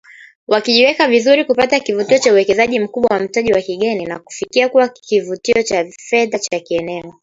Wakijiweka vizuri kupata kivutio cha uwekezaji mkubwa wa mtaji wa kigeni na kufikia kuwa kituo cha fedha cha kieneo.